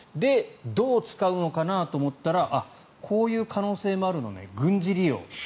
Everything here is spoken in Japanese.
どう使うのかなと思ったらこういう可能性もあるのね軍事利用。